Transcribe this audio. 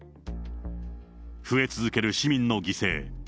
増え続ける市民の犠牲。